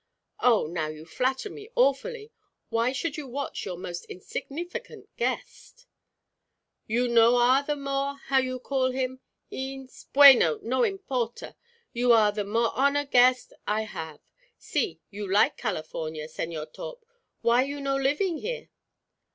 "Oh, now you flatter me awfully. Why should you watch your most insignificant guest?" "You no are the more how you call him? eens bueno! no importa. You are the more honour guest I have. Si you like California, Señor Torp, why you no living here?"